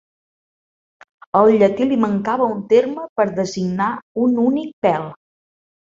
Al llatí li mancava un terme per designar un únic pèl.